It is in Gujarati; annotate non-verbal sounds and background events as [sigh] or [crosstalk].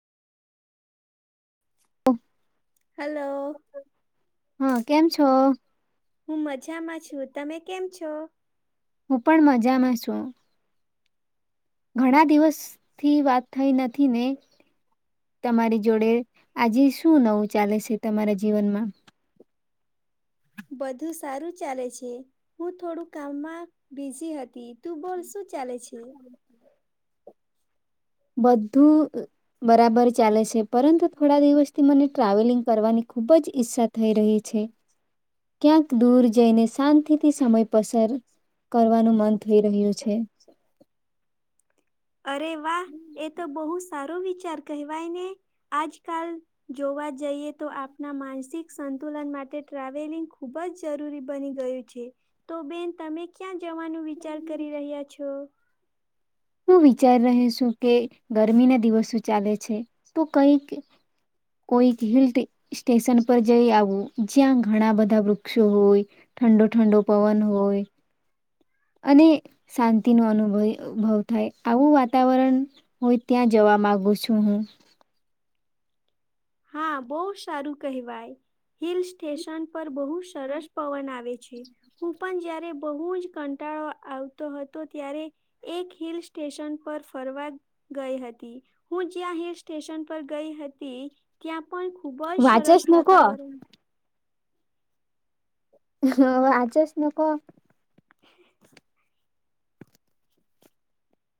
હાલો. હા કેમ છો? હું મજામાં છું તમે કેમ છો? હું પણ મજામાં છું. ઘણા દિવસ થી વાત થઈ નથી ને તમારી જોડે આજે શું નવું ચાલે છે તમારા જીવનમાં? બધું સારું ચાલે છે હું થોડું કામમાં બિઝી હતી. તું બોલ શું ચાલે છે? બધું બરાબર ચાલે છે પરંતુ થોડા દિવસથી મને ટ્રાવેલિંગ કરવાની ખૂબ જ ઈચછા થઈ રહી છે, ક્યાંક દૂર જઈને શાંતિથી સમય પસાર કરવાનું મન થઈ રહ્યું છે. અરે વાહ એ તો બહુ સા સારો વિચાર કહેવાય ને આજકાલ જોવા જઈએ તો આપના માનસિક. સંતુલન માટે ટ્રાવેલિંગ ખુબ જ જરૂરી બની ગયું છે તો બેન તમે ક્યાં જવાનું વિચાર કરી રહ્યા છો? હું વિચારી રહી છું કે ગરમી ના દિવસો ચાલે છે તો, કઈક કોઈક હિલ સ્ટેશન પર જઈ આવું જ્યાં ઘણા બધા વૃક્ષો હોય ઠંડો ઠંડો પવન હોય. અને શાંતિનો અનુભય ભવ થાય આવું વાતાવરણ હોય ત્યાં જવા માગુ છું હું. હા બો સારું કહેવાય હિલ સ્ટેશન પર. બહુ સરસ પવન આવે છે હું પણ જયારે. બહુ જ કંટાળો આવતો હતો ત્યારે એક હિલ સ્ટેશન પર ફરવા ગઈ હતી, હું જ્યાં હિલ સ્ટેશન પર ગઈ હતી. ક્યા પણ ખુબ જ સરસ વાચસ ન કો વાતાવરણ. હ આજસ નકો. [inaudible]